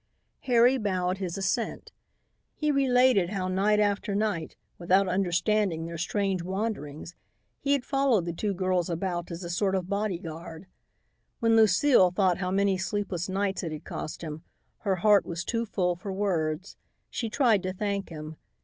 Harry bowed his assent. He related how night after night, without understanding their strange wanderings, he had followed the two girls about as a sort of bodyguard. When Lucile thought how many sleepless nights it had cost him, her heart was too full for words. She tried to thank him.